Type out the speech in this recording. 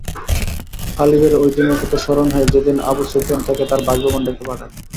খালিদের ঐ দিনের কথা স্মরণ হয় যেদিন আবু সুফিয়ান তাকে তার বাসভবনে ডেকে পাঠায়।